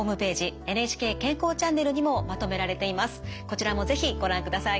次回も是非ご覧ください。